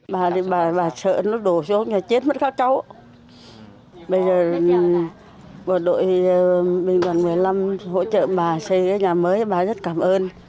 bà đi bà bà sợ nó đổ xuống nhà chết mất các cháu bây giờ bộ đội bình quản một mươi năm hỗ trợ bà xây cái nhà mới bà rất cảm ơn